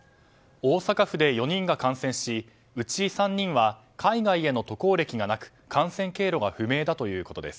大阪府で４人が感染しうち３人は海外への渡航歴がなく感染経路が不明だということです。